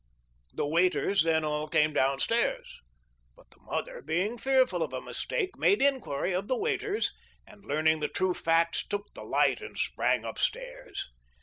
The waiters then all came downstairs. But the mother, being fearful of a mistake, made enquiry of the waiters, and learning the true facts took the light and sprang upstairs.